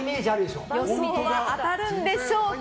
予想は当たるんでしょうか。